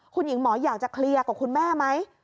คุณหญิงหมออยากจะเคลียร์กับคุณแม่ไหม